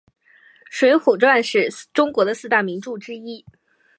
水浒传是中国的四大名著之一。